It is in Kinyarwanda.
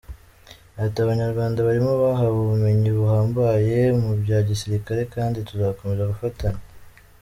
Ati “ Abanyarwanda barimo bahawe ubumenyi buhambaye mu bya gisirikare, kandi tuzakomeza gufatanya .